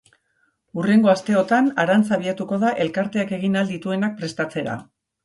Hurrengo asteotan harantz abiatuko da elkarteak egin ahal dituenak prestatzera.